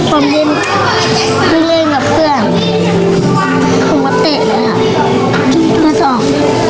ผมเล่นกับเพื่อนผมมาเตะเลยมาซอก